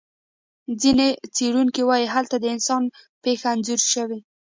ځینې څېړونکي وایي هلته د انسان پېښه انځور شوې.